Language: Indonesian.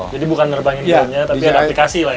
jadi bukan ngerbangin dia punya tapi ada aplikasi lah ya